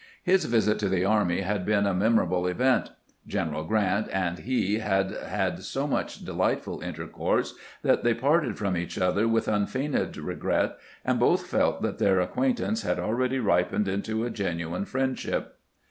His visit to the army had been a memorable event. Q eneral G rant and he had had so much delightful intercourse that they parted 224 CAMPAIGNING WITH GRANT from each other with unfeigned regret, and both felt that their acquaintance had already ripened into a gen uine friendship.